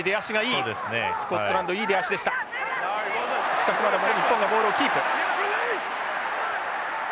しかしまだ日本がボールをキープ。